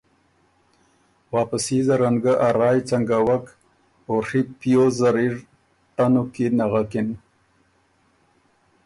واپسي زرن ګۀ ا رایٛ ځنګوک او ڒی پیوز زر اِر تنُک کی نغکِن۔